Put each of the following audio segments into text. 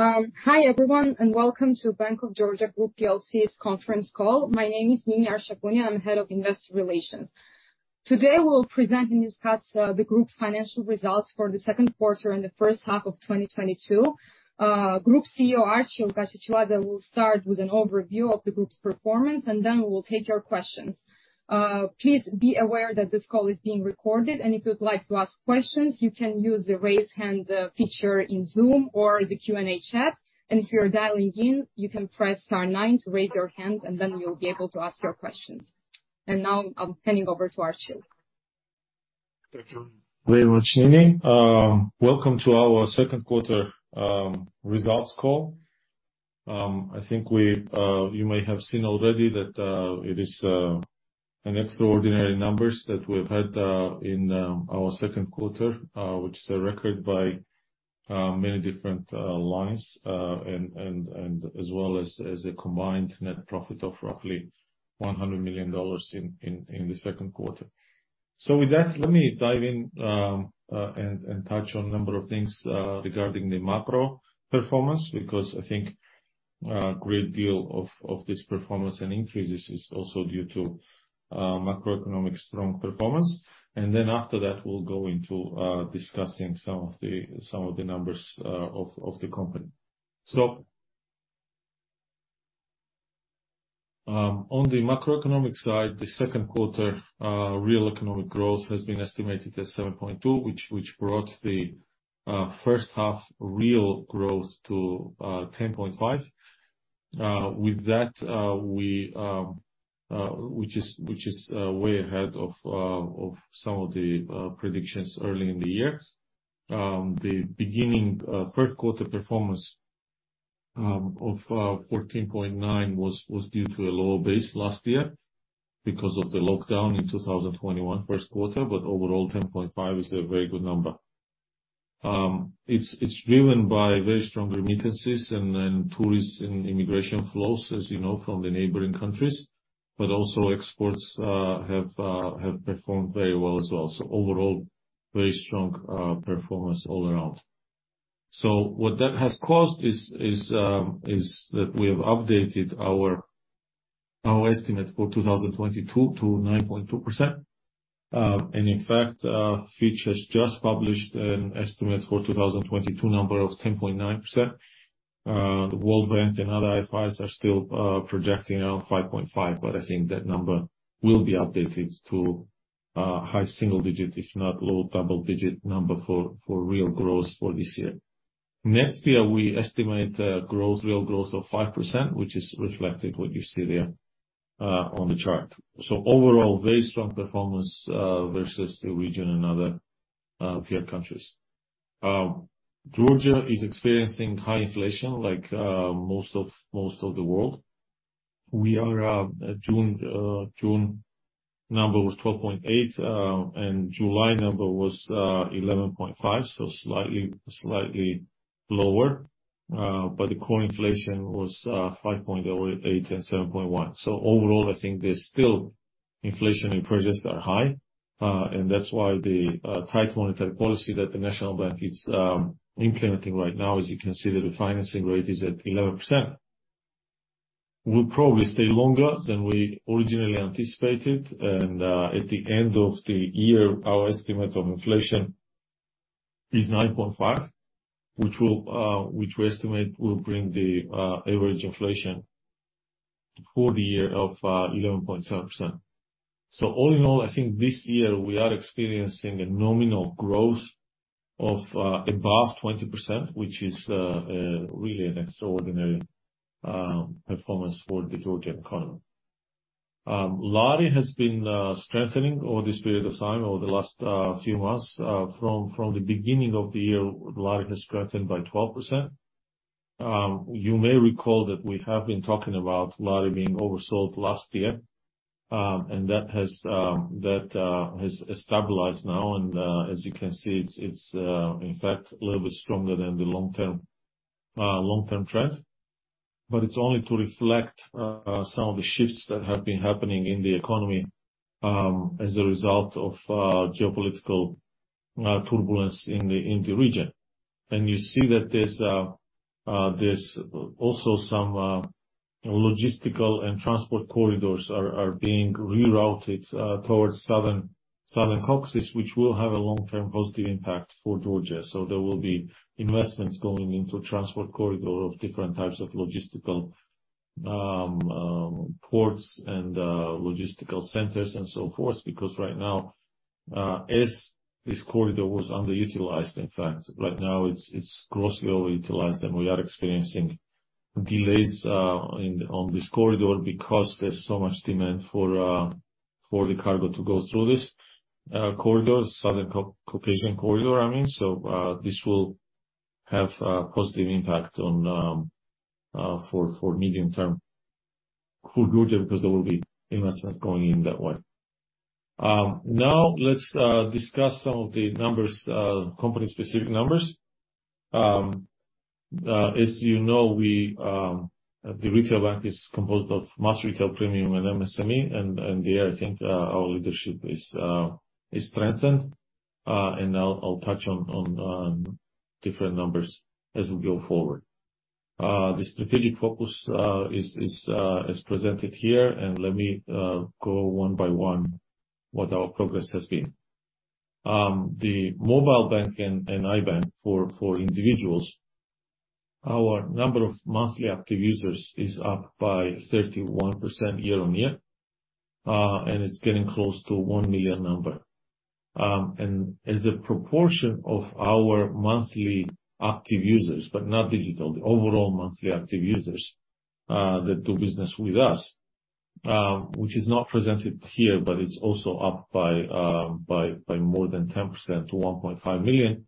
Hi everyone, and welcome to Lion Finance Group's conference call. My name is Nini Arshakuni. I'm Head of Investor Relations. Today we'll present and discuss the group's financial results for the Q2 and the H1 of 2022. Group CEO Archil Gachechiladze will start with an overview of the group's performance, and then we will take your questions. Please be aware that this call is being recorded, and if you'd like to ask questions, you can use the Raise Hand feature in Zoom or the Q&A chat. If you are dialing in, you can press star 9 to raise your hand, and then you'll be able to ask your questions. Now I'm handing over to Archil. Thank you very much, Nini. Welcome to our Q2 results call. I think you may have seen already that it is an extraordinary numbers that we've had in our Q2, which is a record by many different lines and as well as a combined net profit of roughly $100 million in the Q2. With that, let me dive in and touch on a number of things regarding the macro performance, because I think a great deal of this performance and increases is also due to macroeconomic strong performance. After that, we'll go into discussing some of the numbers of the company. On the macroeconomic side, the Q2 real economic growth has been estimated at 7.2%, which brought the H1 real growth to 10.5%. With that, which is way ahead of some of the predictions early in the year. The beginning Q3 performance of 14.9% was due to a lower base last year because of the lockdown in 2021 Q1. Overall, 10.5% is a very good number. It's driven by very strong remittances and tourist and immigration flows, as you know, from the neighboring countries. Also exports have performed very well as well. Overall, very strong performance all around. What that has caused is that we have updated our estimate for 2022 to 9.2%. In fact, Fitch has just published an estimate for 2022 number of 10.9%. The World Bank and other IFIs are still projecting 5.5%, but I think that number will be updated to high single digit, if not low double digit number for real growth for this year. Next year, we estimate growth, real growth of 5%, which is reflected what you see there on the chart. Overall, very strong performance versus the region and other peer countries. Georgia is experiencing high inflation like most of the world. In June number was 12.8%, and July number was 11.5%, so slightly lower. But the core inflation was 5.8% and 7.1%. Overall, I think there's still inflation impulses are high. That's why the tight monetary policy that the National Bank of Georgia is implementing right now, as you can see that the financing rate is at 11%, will probably stay longer than we originally anticipated. At the end of the year, our estimate of inflation is 9.5%, which we estimate will bring the average inflation for the year of 11.7%. All in all, I think this year we are experiencing a nominal growth of above 20%, which is really an extraordinary performance for the Georgian economy. Lari has been strengthening over this period of time, over the last few months. From the beginning of the year, Lari has strengthened by 12%. You may recall that we have been talking about Lari being oversold last year, and that has stabilized now. As you can see, it's in fact a little bit stronger than the long-term trend. It's only to reflect some of the shifts that have been happening in the economy as a result of geopolitical turbulence in the region. You see that there's also some logistical and transport corridors are being rerouted towards South Caucasus, which will have a long-term positive impact for Georgia. There will be investments going into transport corridor of different types of logistical ports and logistical centers and so forth, because right now as this corridor was underutilized, in fact. Right now it's grossly overutilized, and we are experiencing delays in on this corridor because there's so much demand for the cargo to go through this corridor, South Caucasus corridor, I mean. This will have a positive impact on for medium-term for Georgia because there will be investment going in that way. Now let's discuss some of the numbers company-specific numbers. As you know, we, the retail bank is composed of mass retail premium and MSME, and there I think our leadership is strengthened. I'll touch on different numbers as we go forward. The strategic focus is presented here, and let me go one by one what our progress has been. The mobile bank and iBank for individuals, our number of monthly active users is up by 31% year-on-year, and it's getting close to 1 million number. As a proportion of our monthly active users, but not digital, the overall monthly active users that do business with us, which is not presented here, but it's also up by more than 10% to 1.5 million.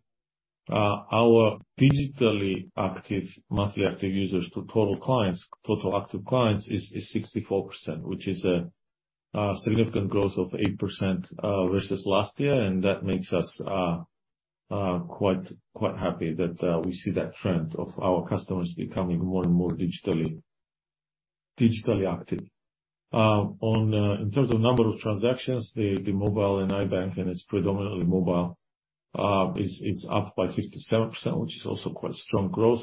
Our digitally active, monthly active users to total clients, total active clients is 64%, which is a significant growth of 8% versus last year. That makes us quite happy that we see that trend of our customers becoming more and more digitally active. In terms of number of transactions, the mobile and iBank, and it's predominantly mobile, is up by 57%, which is also quite strong growth.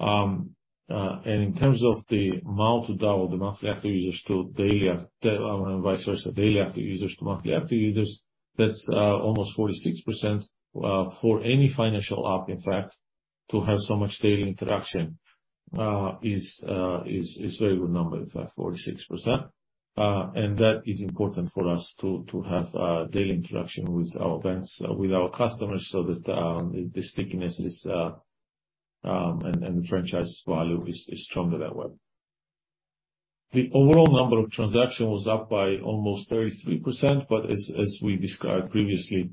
In terms of the MAU to DAU, daily active users to monthly active users, that's almost 46%. For any financial app, in fact, to have so much daily interaction, is a very good number. In fact, 46%. That is important for us to have daily interaction with our banks, with our customers, so that the stickiness is and the franchise value is stronger that way. The overall number of transactions was up by almost 33%. As we described previously,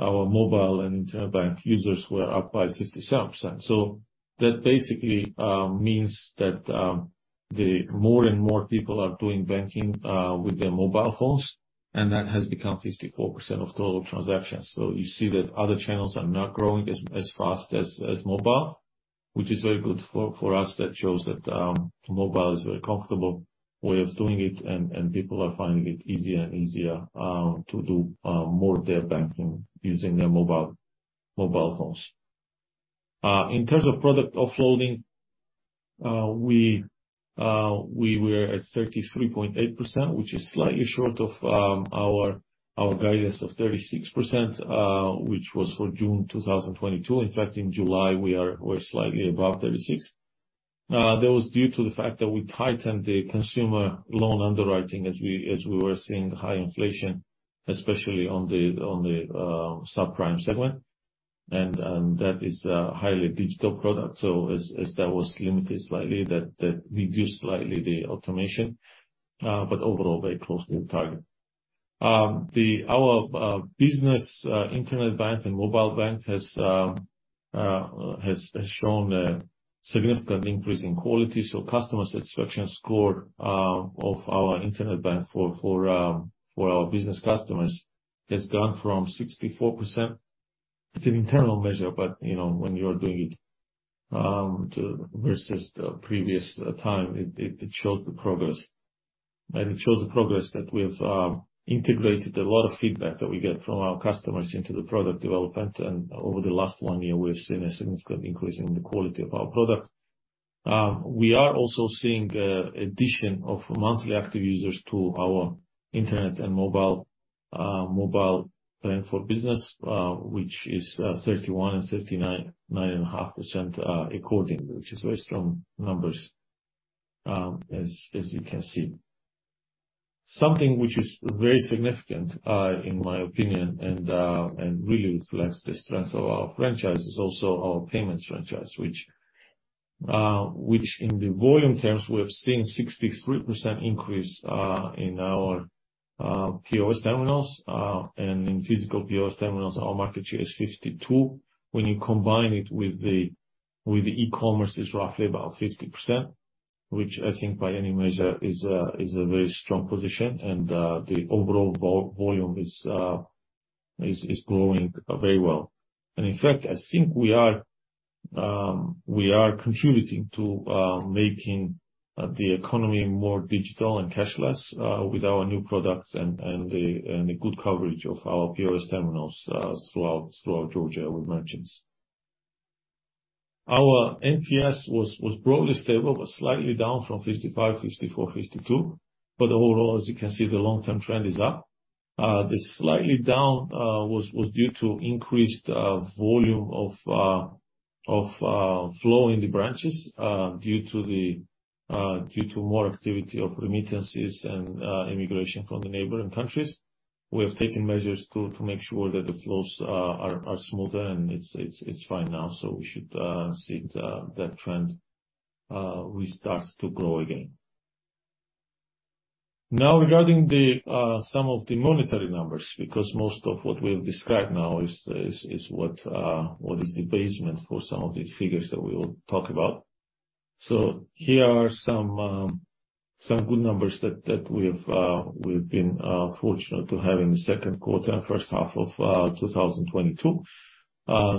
our mobile and Internet Bank users were up by 57%. That basically means that the more and more people are doing banking with their mobile phones, and that has become 54% of total transactions. You see that other channels are not growing as fast as mobile, which is very good for us. That shows that mobile is a very comfortable way of doing it, and people are finding it easier and easier to do more of their banking using their mobile phones. In terms of product offloading, we were at 33.8%, which is slightly short of our guidance of 36%, which was for June 2022. In fact, in July, we're slightly above 36%. That was due to the fact that we tightened the consumer loan underwriting as we were seeing high inflation, especially on the subprime segment. That is a highly digital product. As that was limited slightly, that reduced slightly the automation, but overall very close to the target. Our business Internet Bank and mobile bank has shown a significant increase in quality. Customer satisfaction score of our Internet Bank for our business customers has gone from 64%. It's an internal measure, but you know when you are doing it too versus the previous time it shows the progress. It shows the progress that we've integrated a lot of feedback that we get from our customers into the product development. Over the last one year, we've seen a significant increase in the quality of our product. We are also seeing addition of monthly active users to our internet and mobile bank for business, which is 31% and 39%, 9.5% accordingly, which is very strong numbers, as you can see. Something which is very significant, in my opinion, and really reflects the strength of our franchise is also our payments franchise, which in the volume terms, we have seen 63% increase in our POS terminals. In physical POS terminals, our market share is 52%. When you combine it with the e-commerce, it's roughly about 50%, which I think by any measure is a very strong position. The overall volume is growing very well. In fact, I think we are contributing to making the economy more digital and cashless with our new products and the good coverage of our POS terminals throughout Georgia with merchants. Our NPS was broadly stable, but slightly down from 55, 54, 52. Overall, as you can see, the long-term trend is up. The slightly down was due to increased volume of flow in the branches due to more activity of remittances and immigration from the neighboring countries. We have taken measures to make sure that the flows are smoother and it's fine now, so we should see that trend restarts to grow again. Now regarding some of the monetary numbers, because most of what we have described now is what is the basis for some of the figures that we will talk about. Here are some good numbers that we've been fortunate to have in the Q2 and H1 of 2022.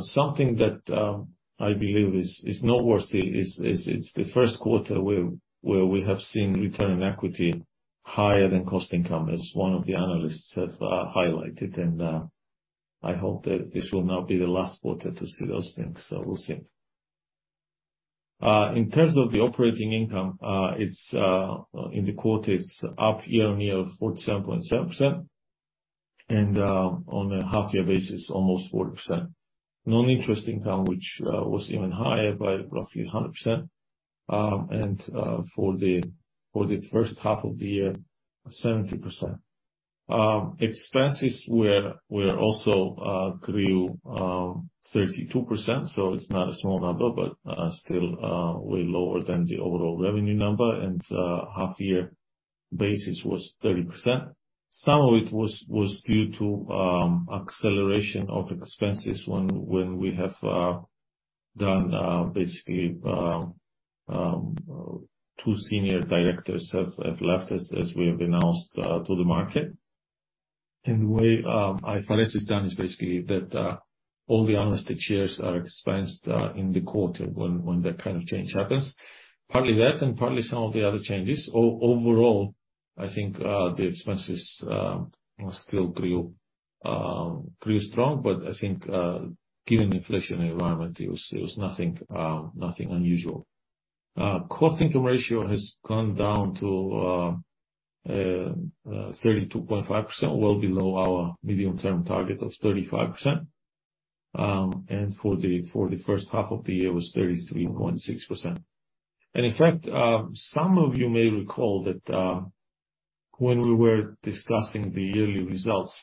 Something that I believe is noteworthy is it's the Q1 where we have seen return on equity higher than cost-to-income, as one of the analysts have highlighted, and I hope that this will not be the last quarter to see those things. We'll see. In terms of the operating income, it's in the quarter, it's up year-on-year of 47.7%, and on a half-year basis, almost 40%. Non-interest income, which was even higher by roughly 100%, and for the H1 of the year, 70%. Expenses were also grew 32%, so it's not a small number, but still way lower than the overall revenue number, and half-year basis was 30%. Some of it was due to acceleration of expenses when we have done basically two senior directors have left us as we have announced to the market. The way IFRS has done is basically that all the unvested shares are expensed in the quarter when that kind of change happens. Partly that, and partly some of the other changes. Overall, I think the expenses still grew strong, but I think given the inflationary environment, it was nothing unusual. Cost-income ratio has gone down to 32.5%, well below our medium-term target of 35%. For the H1 of the year was 33.6%. In fact, some of you may recall that when we were discussing the yearly results,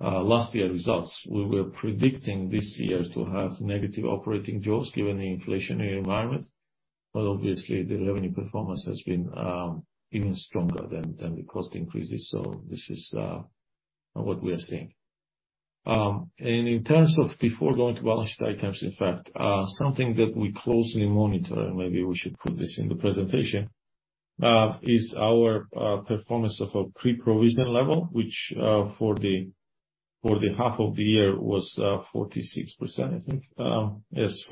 last year results, we were predicting this year to have negative operating jaws given the inflationary environment. Obviously the revenue performance has been even stronger than the cost increases. This is what we are seeing. In terms of before going to balance sheet items, in fact, something that we closely monitor, and maybe we should put this in the presentation, is our performance of a pre-provision level, which, for the half of the year was 46%, I think. Yes,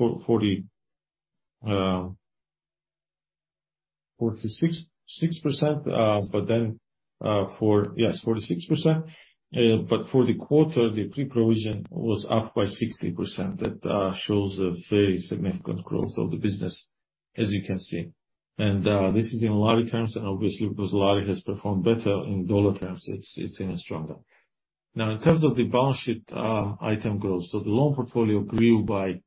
46%. But for the quarter, the pre-provision was up by 60%. That shows a very significant growth of the business, as you can see. This is in Lari terms, and obviously because Lari has performed better in Dollar terms, it's even stronger. Now, in terms of the balance sheet, item growth. The loan portfolio grew by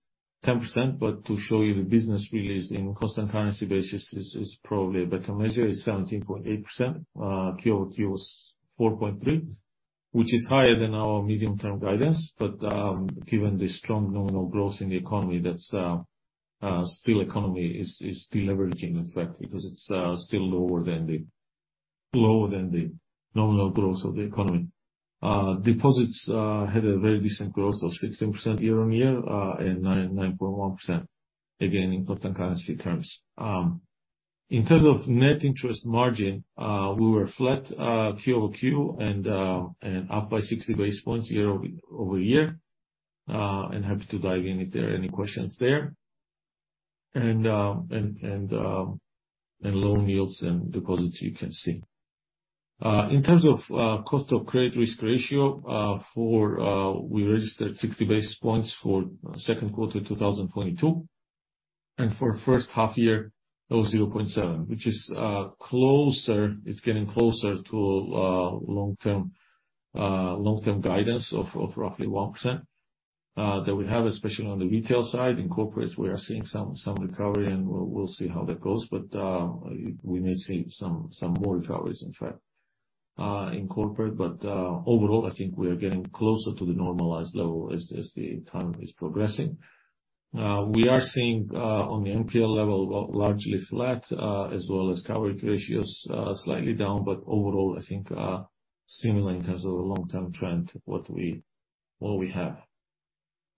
10%, but to show you the business really is in constant currency basis is probably a better measure, is 17.8%. QOQ was 4.3%, which is higher than our medium-term guidance. Given the strong nominal growth in the economy, that's still the economy is deleveraging, in fact, because it's still lower than the nominal growth of the economy. Deposits had a very decent growth of 16% year-on-year, and 9.1% again in constant currency terms. In terms of net interest margin, we were flat QOQ and up by 60 basis points year-over-year, and happy to dive in if there are any questions there. loan yields and deposits you can see. In terms of cost of credit risk ratio, we registered 60 basis points for Q2 2022. For H1 year, it was 0.7%, which is closer, it's getting closer to long-term guidance of roughly 1% that we have, especially on the retail side. In corporates, we are seeing some recovery, and we'll see how that goes. We may see some more recoveries, in fact, in corporate. Overall, I think we are getting closer to the normalized level as the time is progressing. We are seeing on the NPL level, largely flat, as well as coverage ratios, slightly down. Overall, I think similar in terms of the long-term trend, what we have.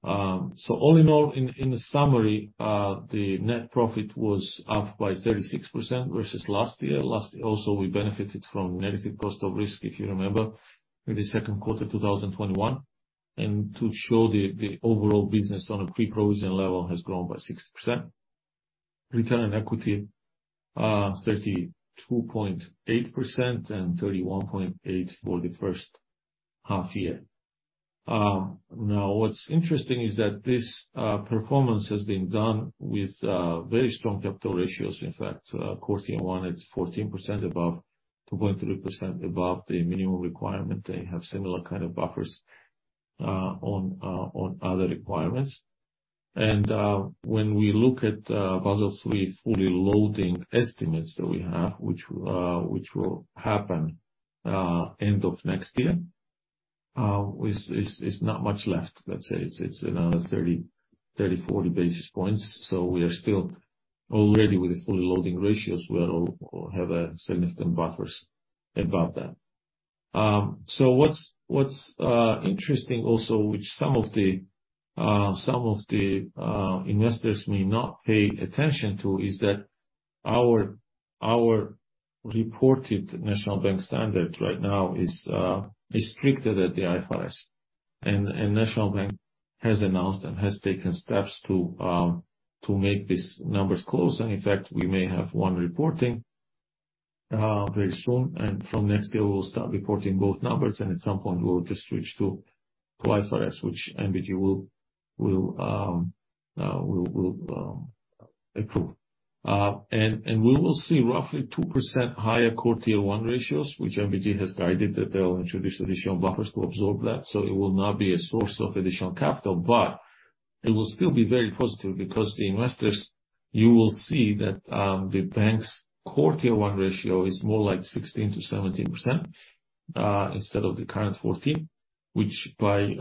All in all, in the summary, the net profit was up by 36% versus last year. Last year, also, we benefited from negative cost of risk, if you remember, in the Q2 2021. To show the overall business on a pre-provision level has grown by 60%. Return on equity 32.8% and 31.8% for the H1 year. Now, what's interesting is that this performance has been done with very strong capital ratios. In fact, Core Tier 1 at 14% above, 14.3% above the minimum requirement. They have similar kind of buffers on other requirements. When we look at Basel III fully loading estimates that we have, which will happen end of next year, is not much left. Let's say it's another 30-40 basis points. We are still already with the fully loading ratios. We'll have significant buffers above that. What's interesting also, which some of the investors may not pay attention to, is that our reported National Bank standard right now is stricter than the IFRS. National Bank has announced and has taken steps to make these numbers close. In fact, we may have one reporting very soon. From next year, we'll start reporting both numbers, and at some point, we'll just switch to IFRS, which NBG will approve. We will see roughly 2% higher Core Tier 1 ratios, which NBG has guided that they will introduce additional buffers to absorb that, so it will not be a source of additional capital. It will still be very positive because the investors, you will see that, the bank's Core Tier 1 ratio is more like 16%-17%, instead of the current 14%. Which by any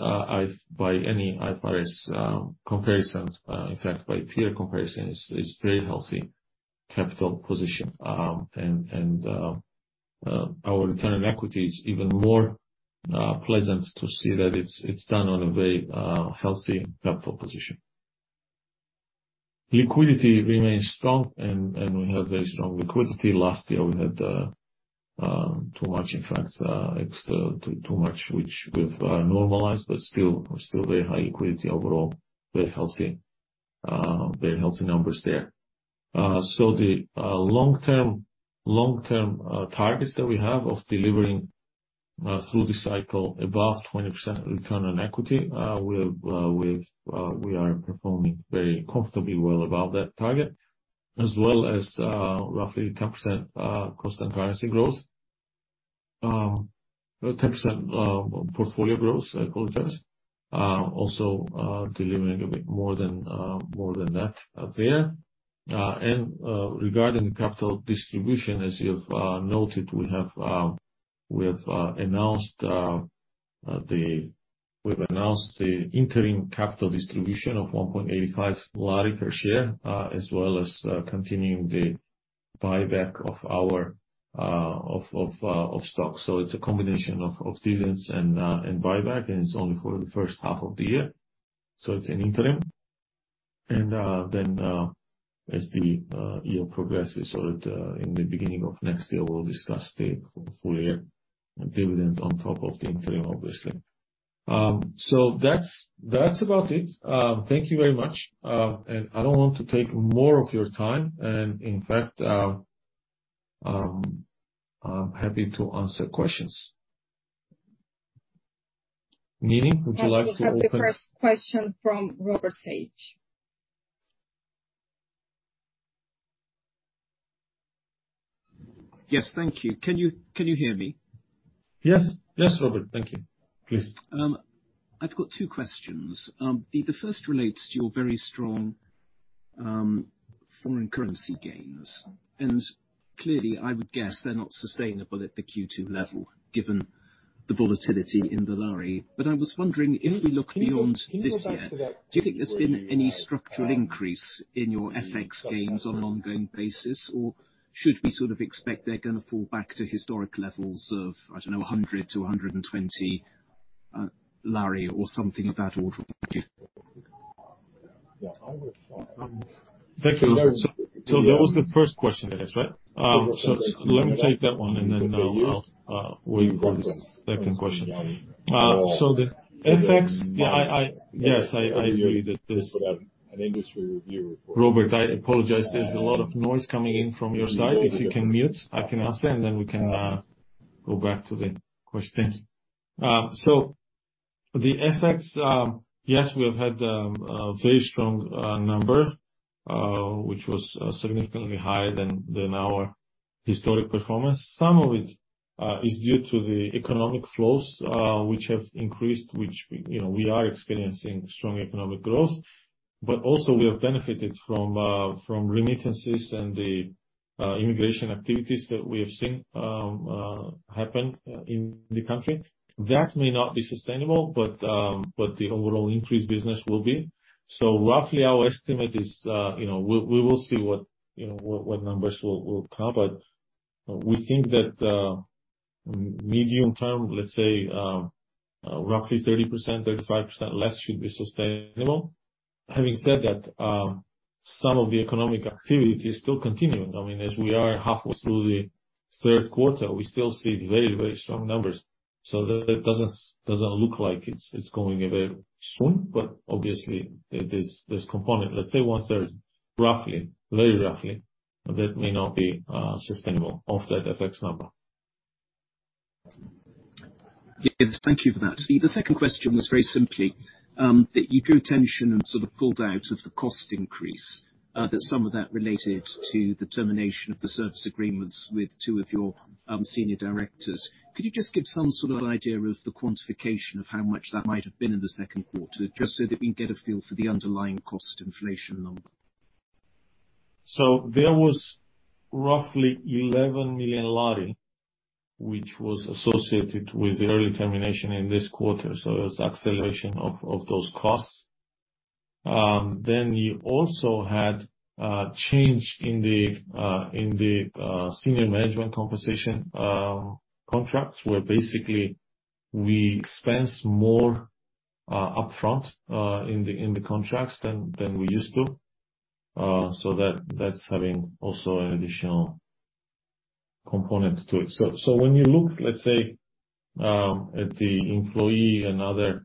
IFRS comparison, in fact by peer comparison, is very healthy capital position. Our return on equity is even more pleasant to see that it's done on a very healthy capital position. Liquidity remains strong, and we have very strong liquidity. Last year, we had too much in fact, too much, which we've normalized, but still very high liquidity overall, very healthy numbers there. The long-term targets that we have of delivering through the cycle above 20% return on equity, we are performing very comfortably well above that target. As well as roughly 10% constant currency growth. 10% portfolio growth, I apologize. Also delivering a bit more than that there. Regarding capital distribution, as you have noted, we have announced the... We've announced the interim capital distribution of GEL 1.85 per share, as well as continuing the buyback of our stock. It's a combination of dividends and buyback, and it's only for the H1 of the year. It's an interim. As the year progresses or at the beginning of next year, we'll discuss the full year dividend on top of the interim, obviously. That's about it. Thank you very much. I don't want to take more of your time. In fact, I'm happy to answer questions. Nini, would you like to open- We have the first question from Robert Sage. Yes. Thank you. Can you hear me? Yes. Yes, Robert. Thank you. Please. I've got two questions. The first relates to your very strong foreign currency gains. Clearly, I would guess they're not sustainable at the Q2 level, given the volatility in the Lari. I was wondering, if we look beyond this year, do you think there's been any structural increase in your FX gains on an ongoing basis? Or should we sort of expect they're gonna fall back to historic levels of, I don't know, GEL 100-GEL 120 or something of that order? Thank you. Thank you, Robert. That was the first question I guess, right? Let me take that one, and then I'll wait for the second question. The FX, yeah, I agree that this. An industry review report. Robert, I apologize. There's a lot of noise coming in from your side. If you can mute, I can answer, and then we can go back to the question. The FX, yes, we have had a very strong number which was significantly higher than our historic performance. Some of it is due to the economic flows which have increased, which, you know, we are experiencing strong economic growth. But also we have benefited from remittances and the emigration activities that we have seen happen in the country. That may not be sustainable, but the overall increased business will be. Roughly our estimate is, you know, we will see what, you know, what numbers will come. We think that medium term, let's say, roughly 30%-35% less should be sustainable. Having said that, some of the economic activity is still continuing. I mean, as we are halfway through the Q3, we still see very strong numbers. That doesn't look like it's going away soon. Obviously, this component, let's say one-third, roughly, very roughly, that may not be sustainable of that FX number. Yes. Thank you for that. The second question was very simply, that you drew attention and sort of pulled out of the cost increase, that some of that related to the termination of the service agreements with two of your, senior directors. Could you just give some sort of idea of the quantification of how much that might have been in the Q2, just so that we can get a feel for the underlying cost inflation number? There was roughly GEL 11 million, which was associated with the early termination in this quarter, so it was acceleration of those costs. You also had change in the senior management compensation contracts, where basically we expense more upfront in the contracts than we used to. That's having also an additional component to it. When you look, let's say, at the employee and other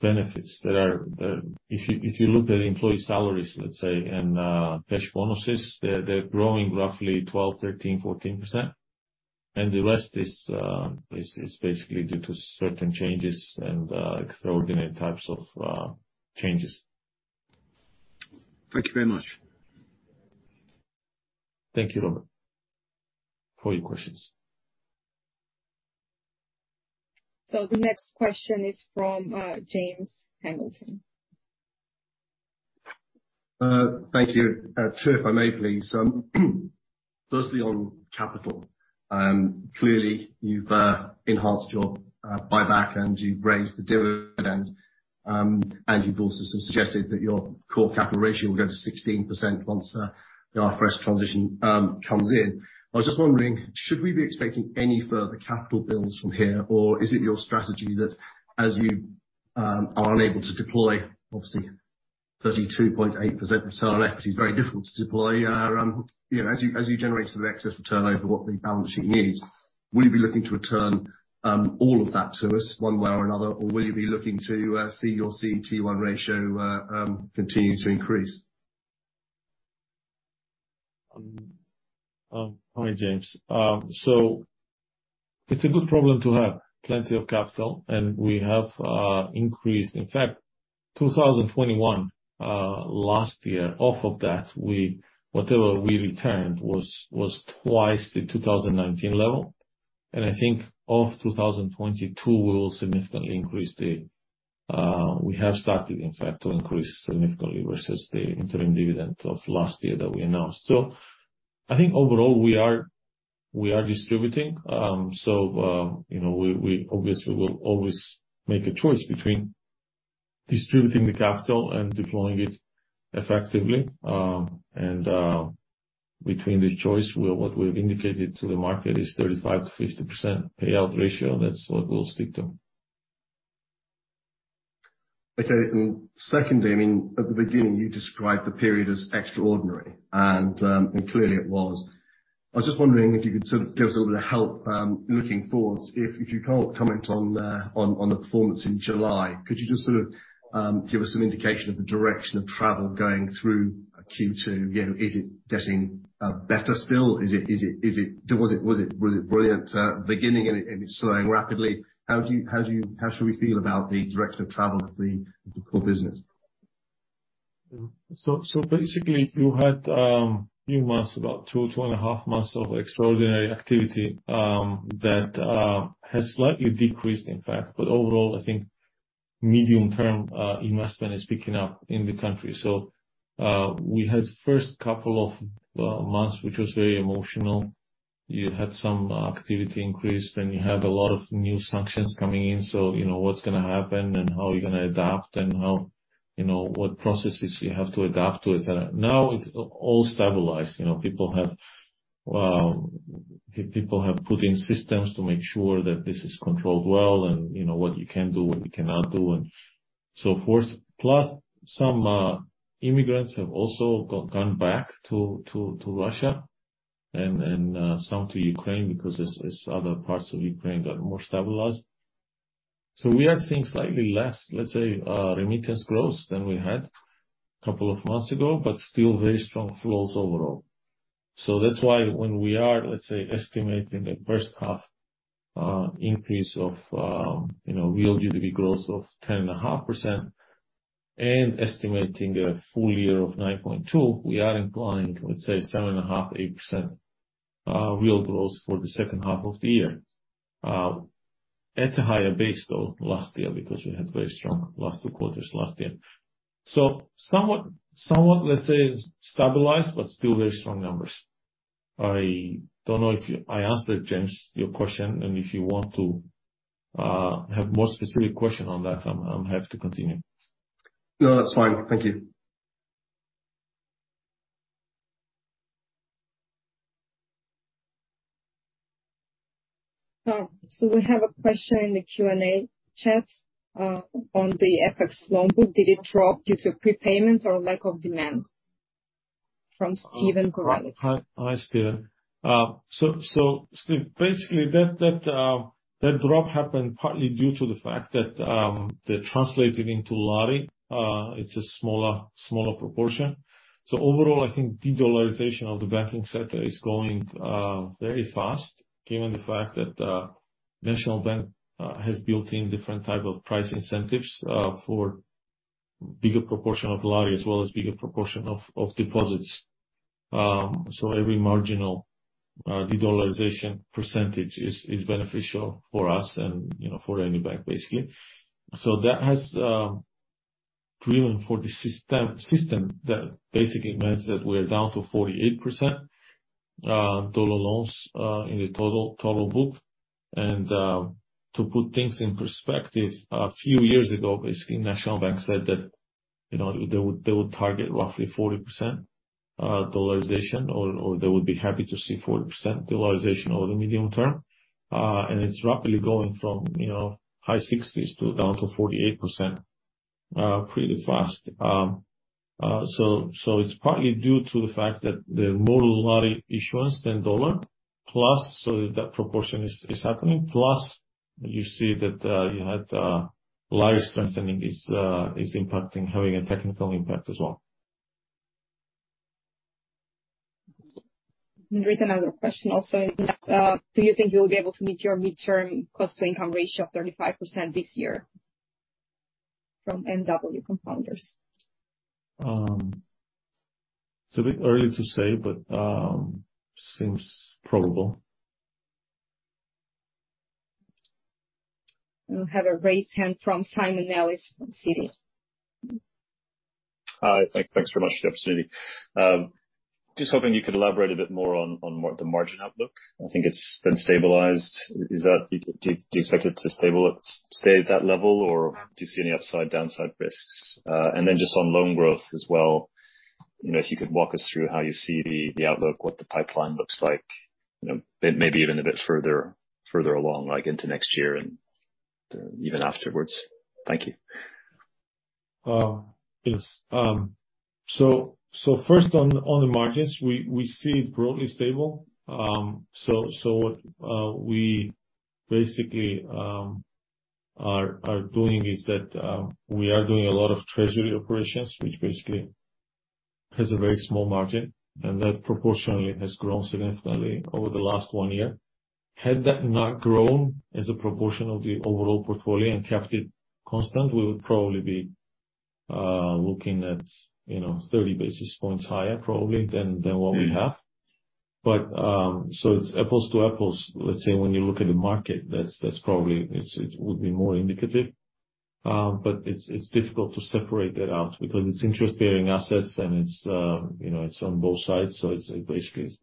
benefits. If you look at employee salaries, let's say, and cash bonuses, they're growing roughly 12%, 13%, 14%. The rest is basically due to certain changes and extraordinary types of changes. Thank you very much. Thank you, Robert, for your questions. The next question is from James Hamilton. Thank you. Two if I may please. Firstly on capital. Clearly you've enhanced your buyback, and you've raised the dividend, and you've also suggested that your core capital ratio will go to 16% once the IFRS transition comes in. I was just wondering, should we be expecting any further capital builds from here, or is it your strategy that as you are unable to deploy, obviously 32.8% return on equity is very difficult to deploy. You know, as you generate some excess return over what the balance sheet needs, will you be looking to return all of that to us one way or another, or will you be looking to see your CET1 ratio continue to increase? Hi, James. It's a good problem to have plenty of capital. We have increased. In fact, 2021, last year, off of that, whatever we returned was twice the 2019 level. I think of 2022, we'll significantly increase the. We have started, in fact, to increase significantly versus the interim dividend of last year that we announced. I think overall we are distributing. You know, we obviously will always make a choice between distributing the capital and deploying it effectively. Between the choice, what we've indicated to the market is 35%-50% payout ratio. That's what we'll stick to. Okay. Secondly, I mean, at the beginning, you described the period as extraordinary, and clearly it was. I was just wondering if you could sort of give us a little help, looking forward, if you can't comment on the performance in July, could you just sort of give us some indication of the direction of travel going through Q2? You know, is it getting better still? Is it? Was it brilliant at the beginning and it's slowing rapidly? How should we feel about the direction of travel of the core business? Basically you had a few months, about 2.5 months of extraordinary activity that has slightly decreased, in fact. Overall, I think medium-term investment is picking up in the country. We had first couple of months, which was very emotional. You had some activity increase, then you had a lot of new sanctions coming in, so you know what's gonna happen and how you're gonna adapt and how, you know, what processes you have to adapt to, etc. Now it's all stabilized. You know, people have put in systems to make sure that this is controlled well and, you know, what you can do, what you cannot do and so forth. Plus, some immigrants have also gone back to Russia and some to Ukraine because it's other parts of Ukraine got more stabilized. We are seeing slightly less, let's say, remittance growth than we had couple of months ago, but still very strong flows overall. That's why when we are, let's say, estimating a H1 increase of, you know, real GDP growth of 10.5% and estimating a full year of 9.2%, we are implying, let's say 7.5%-8% real growth for the H2 of the year, at a higher base though last year, because we had very strong last two quarters last year. Somewhat stabilized, but still very strong numbers. I don't know if I answered, James, your question, and if you want to have more specific question on that, I'm happy to continue. No, that's fine. Thank you. We have a question in the Q&A chat, on the FX loan book. Did it drop due to prepayments or lack of demand? From Steven Gorelick. Hi, Steven. Steve, basically that drop happened partly due to the fact that the translation into Lari, it's a smaller proportion. Overall I think dedollarization of the banking sector is going very fast given the fact that National Bank has built in different type of price incentives for bigger proportion of Lari as well as bigger proportion of deposits. Every marginal dedollarization percentage is beneficial for us and, you know, for any bank basically. That has driven the system that basically means that we're down to 48% Dollar loans in the total book. To put things in perspective, a few years ago, basically, National Bank of Georgia said that, you know, they would target roughly 40% dollarization, or they would be happy to see 40% dollarization over the medium term. It's rapidly going from, you know, high 60s to down to 48% pretty fast. It's partly due to the fact that they're more Lari issuance than Dollar, plus so that proportion is happening, plus you see that you had Lari strengthening is impacting, having a technical impact as well. There is another question also. Do you think you'll be able to meet your midterm cost-to-income ratio of 35% this year? From NW Compounders. It's a bit early to say, but seems probable. We have a raised hand from Simon Nellis from Citi. Hi. Thanks very much for the opportunity. Just hoping you could elaborate a bit more on more of the margin outlook. I think it's been stabilized. Do you expect it to stay at that level? Or do you see any upside, downside risks? Just on loan growth as well, you know, if you could walk us through how you see the outlook, what the pipeline looks like, you know, maybe even a bit further along, like into next year and even afterwards. Thank you. Yes. So first on the margins, we see it broadly stable. So what we basically are doing is that we are doing a lot of treasury operations, which basically has a very small margin, and that proportionally has grown significantly over the last one year. Had that not grown as a proportion of the overall portfolio and kept it constant, we would probably be looking at, you know, 30 basis points higher probably than what we have. It's apples to apples, let's say when you look at the market, that's probably. It would be more indicative. It's difficult to separate that out because it's interest-bearing assets and it's, you know, it's on both sides, so it's basically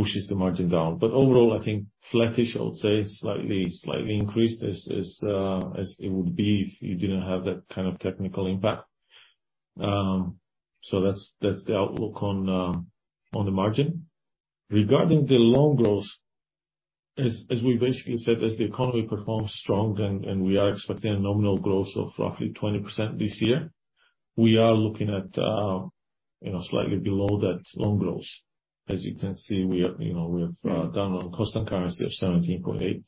pushes the margin down. Overall, I think flattish, I would say, slightly increased as it would be if you didn't have that kind of technical impact. So that's the outlook on the margin. Regarding the loan growth, we basically said, as the economy performs strong and we are expecting a nominal growth of roughly 20% this year, we are looking at, you know, slightly below that loan growth. As you can see, we have, you know, done on constant currency of 17.8%.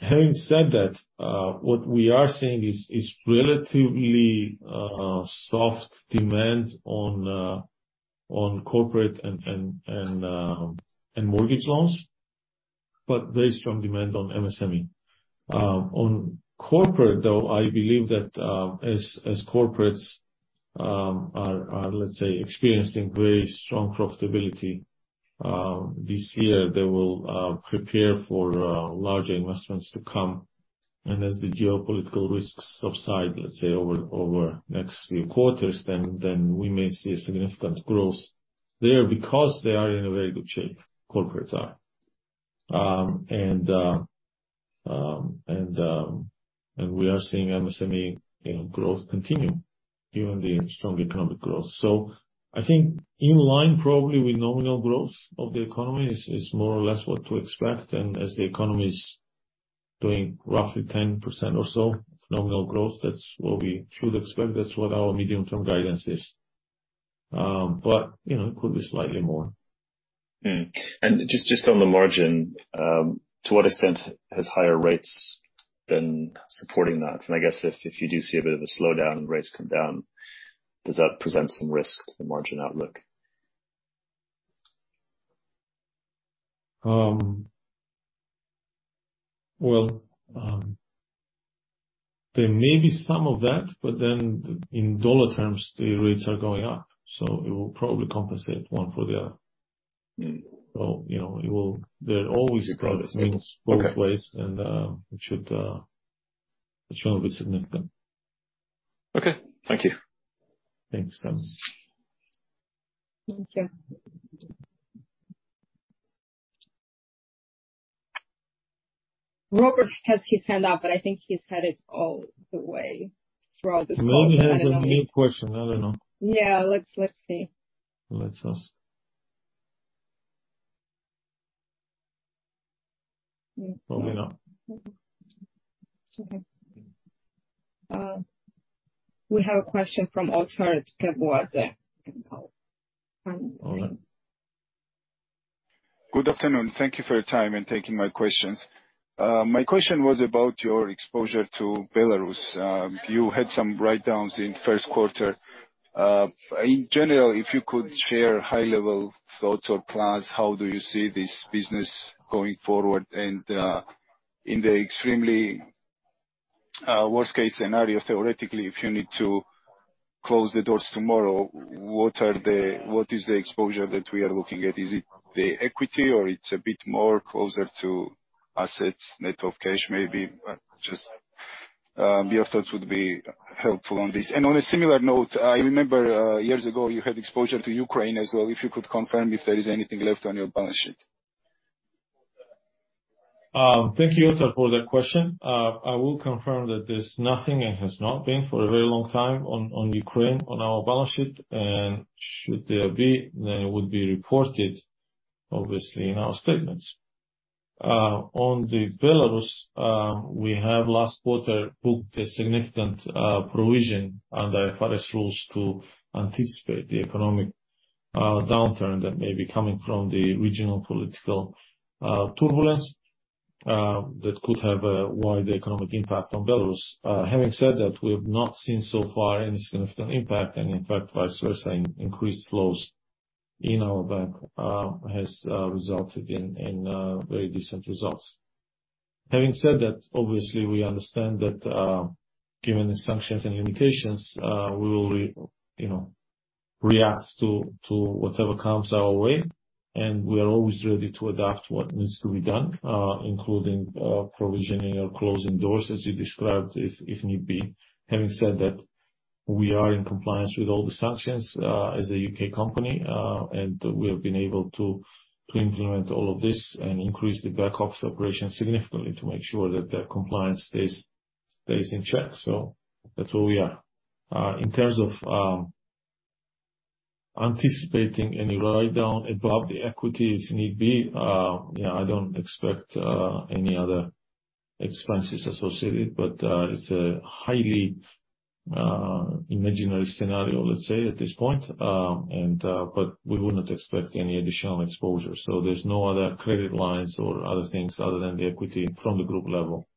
Having said that, what we are seeing is relatively soft demand on corporate and mortgage loans, but very strong demand on MSME. On corporate, though, I believe that as corporates are, let's say, experiencing very strong profitability this year, they will prepare for larger investments to come. As the geopolitical risks subside, let's say, over next few quarters, then we may see a significant growth there because they are in a very good shape, corporates are. We are seeing MSME, you know, growth continue given the strong economic growth. I think in line probably with nominal growth of the economy is more or less what to expect. As the economy's doing roughly 10% or so nominal growth, that's what we should expect. That's what our medium-term guidance is. You know, it could be slightly more. Just on the margin, to what extent has higher rates been supporting that? And I guess if you do see a bit of a slowdown and rates come down, does that present some risk to the margin outlook? There may be some of that, but then in Dollar terms, the rates are going up, so it will probably compensate one for the other. Mm. You know, there are always both ways, and it shouldn't be significant. Okay. Thank you. Thanks, Simon. Thank you. Robert has his hand up, but I think he's had it all the way through all this. He maybe has a new question. I don't know. Yeah. Let's see. Let's ask. Probably not. Okay. We have a question from Otar Nadaraia. Otar. Good afternoon. Thank you for your time and taking my questions. My question was about your exposure to Belarus. You had some write-downs in Q1. In general, if you could share high-level thoughts or plans, how do you see this business going forward? In the extremely worst-case scenario, theoretically, if you need to close the doors tomorrow, what is the exposure that we are looking at? Is it the equity or it's a bit more closer to assets, net of cash maybe? Your thoughts would be helpful on this. On a similar note, I remember years ago you had exposure to Ukraine as well, if you could confirm if there is anything left on your balance sheet. Thank you, Otar, for that question. I will confirm that there's nothing and has not been for a very long time on Ukraine on our balance sheet, and should there be, then it would be reported, obviously, in our statements. On Belarus, we have last quarter booked a significant provision under IFRS rules to anticipate the economic downturn that may be coming from the regional political turbulence that could have a wide economic impact on Belarus. Having said that, we have not seen so far any significant impact, and in fact, vice versa, increased flows in our bank has resulted in very decent results. Having said that, obviously we understand that, given the sanctions and limitations, we will, you know, react to whatever comes our way, and we are always ready to adapt what needs to be done, including provisioning or closing doors, as you described, if need be. Having said that, we are in compliance with all the sanctions, as a UK company, and we have been able to implement all of this and increase the back office operations significantly to make sure that their compliance stays in check. That's where we are. In terms of anticipating any write-down above the equity if need be, you know, I don't expect any other expenses associated, but it's a highly imaginary scenario, let's say, at this point. We would not expect any additional exposure. There's no other credit lines or other things other than the equity from the group level,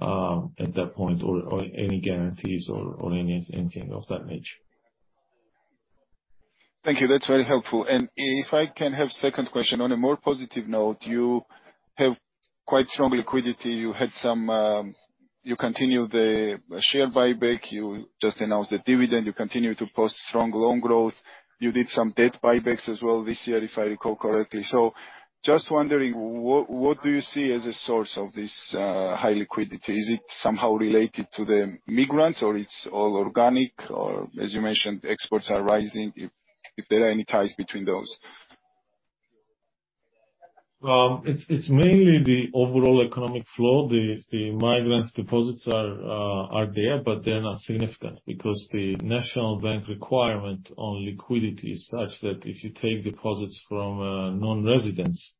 at that point or any guarantees or anything of that nature. Thank you. That's very helpful. If I can have second question. On a more positive note, you have quite strong liquidity. You had some. You continue the share buyback. You just announced the dividend. You continue to post strong loan growth. You did some debt buybacks as well this year, if I recall correctly. Just wondering, what do you see as a source of this high liquidity? Is it somehow related to the migrants, or it's all organic? Or as you mentioned, exports are rising, if there are any ties between those. It's mainly the overall economic growth. The migrant deposits are there, but they're not significant because the national bank requirement on liquidity is such that if you take deposits from non-residents,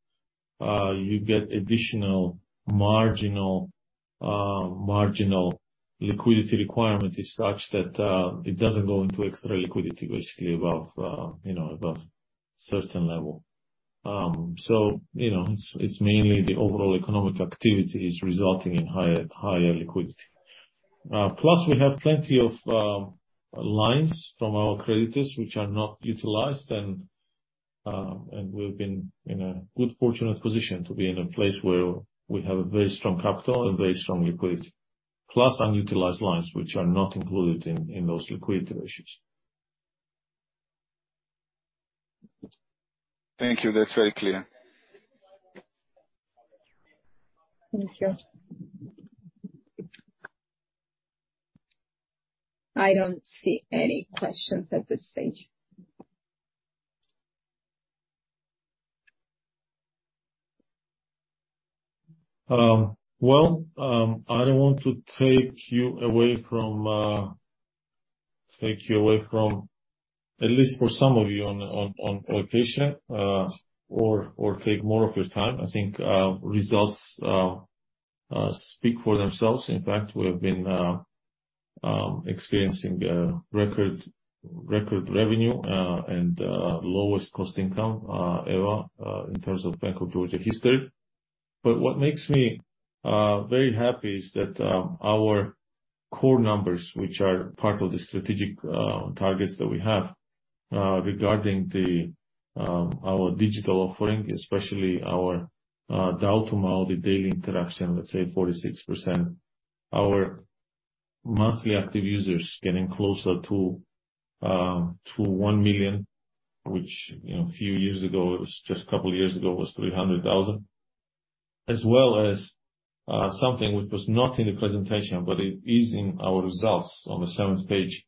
you get additional marginal liquidity requirement is such that it doesn't go into extra liquidity, basically, above, you know, above certain level. So, you know, it's mainly the overall economic activity is resulting in higher liquidity. Plus we have plenty of lines from our creditors which are not utilized. We've been in a fortunate position to be in a place where we have a very strong capital and very strong liquidity, plus unutilized lines which are not included in those liquidity ratios. Thank you. That's very clear. Thank you. I don't see any questions at this stage. I don't want to take you away from at least for some of you on vacation or take more of your time. I think results speak for themselves. In fact, we have been experiencing record revenue and lowest cost-to-income ever in terms of Bank of Georgia history. What makes me very happy is that our core numbers, which are part of the strategic targets that we have regarding our digital offering, especially our DAU to MAU, the daily interaction, let's say 46%. Our monthly active users getting closer to 1 million, which, you know, a few years ago was 300,000. As well as something which was not in the presentation, but it is in our results on the seventh page.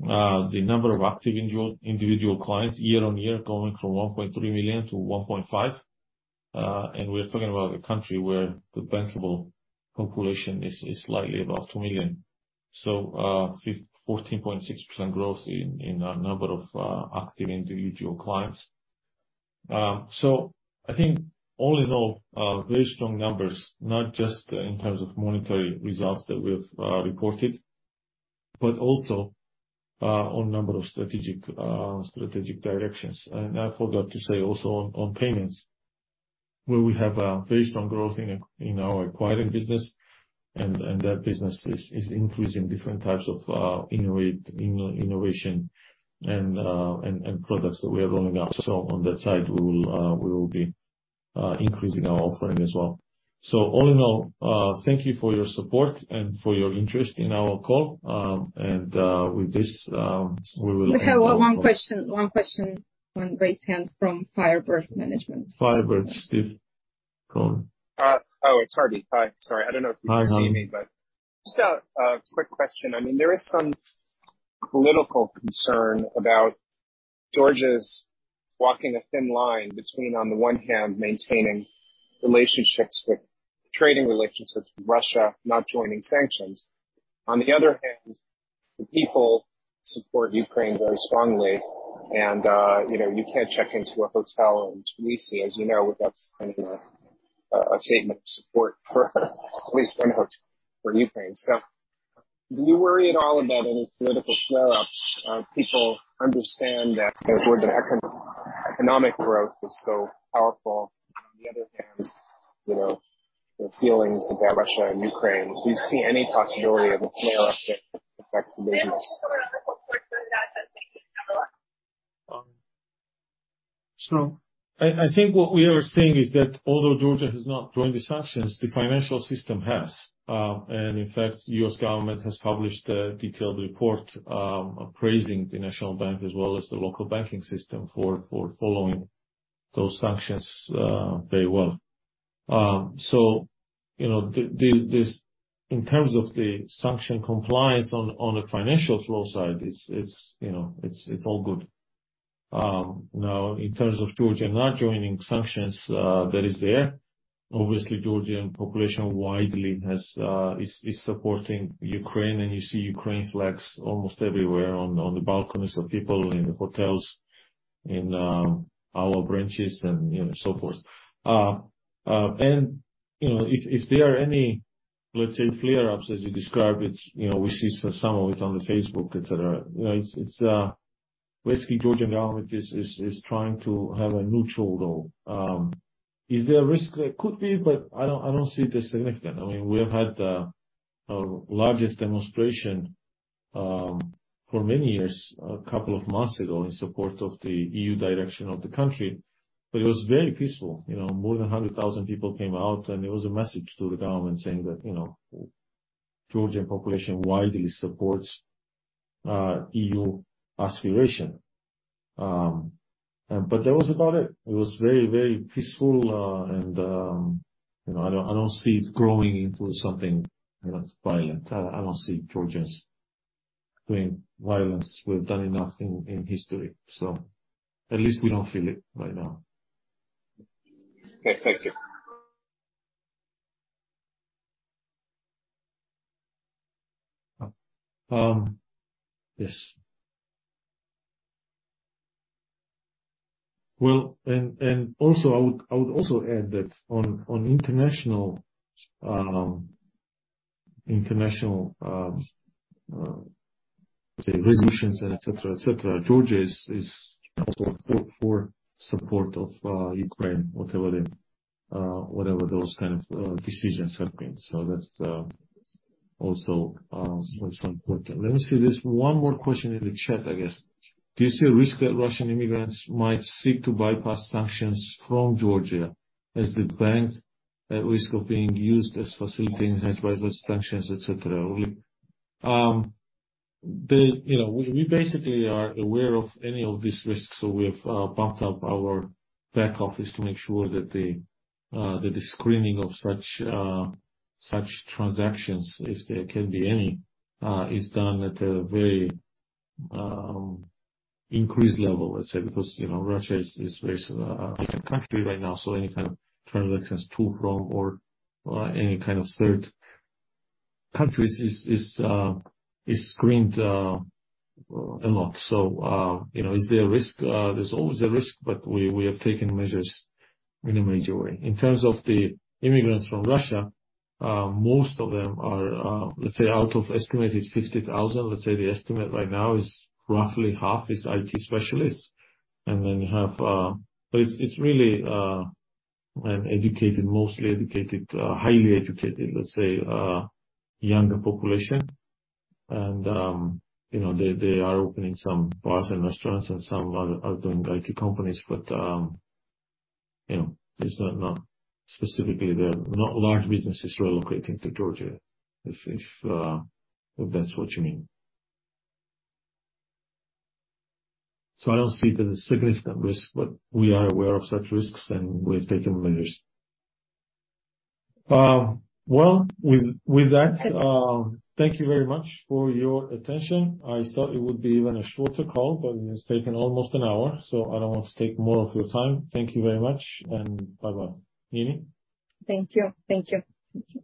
The number of active individual clients year-on-year going from 1.3 million to 1.5 million. We're talking about a country where the bankable population is slightly above 2 million. 14.6% growth in our number of active individual clients. I think all in all, very strong numbers, not just in terms of monetary results that we've reported, but also on number of strategic directions. I forgot to say also on payments, where we have a very strong growth in our acquiring business, and that business is increasing different types of innovation and products that we are rolling out. On that side we will be increasing our offering as well. All in all, thank you for your support and for your interest in our call. With this, we will end our call. We have one question on raised hand from Firebird Management. Firebird, Steven Gorelick. Oh, it's Harvey. Hi. Sorry, I don't know if you can see me, but just a quick question. I mean, there is some political concern about Georgia's walking a thin line between, on the one hand, maintaining trading relationships with Russia, not joining sanctions. On the other hand, the people support Ukraine very strongly and, you know, you can't check into a hotel in Tbilisi, as you know, without signing a statement of support for at least one hotel for Ukraine. Do you worry at all about any political flare-ups? People understand that, you know, Georgia economic growth is so powerful. On the other hand, you know, the feelings about Russia and Ukraine. Do you see any possibility of a flare up that could affect the business? I think what we are seeing is that although Georgia has not joined the sanctions, the financial system has. In fact, U.S. government has published a detailed report appraising the National Bank as well as the local banking system for following those sanctions very well. You know, this in terms of the sanctions compliance on a financial flow side, it's you know, it's all good. Now in terms of Georgia not joining sanctions, that is there. Obviously Georgian population widely is supporting Ukraine, and you see Ukraine flags almost everywhere on the balconies of people, in the hotels, in our branches and so forth. You know, if there are any, let's say, flare-ups as you described, it's, you know, we see some of it on Facebook, et cetera. You know, it's basically Georgian government is trying to have a neutral role. Is there a risk? There could be, but I don't see it as significant. I mean, we have had a largest demonstration for many years, a couple of months ago in support of the EU direction of the country, but it was very peaceful. You know, more than 100,000 people came out, and it was a message to the government saying that, you know, Georgian population widely supports EU aspiration. But that was about it. It was very, very peaceful, and you know, I don't see it growing into something, you know, that's violent. I don't see Georgians doing violence. We've done enough in history, so at least we don't feel it right now. Okay. Thank you. Yes. Well, also I would add that on international resolutions and et cetera, Georgia is for support of Ukraine, whatever those kind of decisions have been. That's also important. Let me see. There's one more question in the chat, I guess. Do you see a risk that Russian immigrants might seek to bypass sanctions from Georgia as the bank at risk of being used as facilitating anti-Russia sanctions, et cetera? You know, we basically are aware of any of these risks, so we have bumped up our back office to make sure that the screening of such transactions, if there can be any, is done at a very increased level, let's say. Because you know, Russia is very sort of different country right now, so any kind of transactions to, from, or any kind of third countries is screened a lot. You know, is there a risk? There's always a risk, but we have taken measures in a major way. In terms of the immigrants from Russia, most of them are, let's say out of estimated 50,000, let's say the estimate right now is roughly half is IT specialists. Then you have. It's really an educated, mostly educated, highly educated, let's say, younger population. You know, they are opening some bars and restaurants and some are doing IT companies. You know, there's not specifically the. Not large businesses relocating to Georgia if that's what you mean. I don't see that as a significant risk, but we are aware of such risks, and we've taken measures. Well, with that, thank you very much for your attention. I thought it would be even a shorter call, but it has taken almost an hour, so I don't want to take more of your time. Thank you very much, and bye-bye. Nini? Thank you.